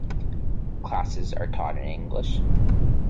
Classes are taught in English.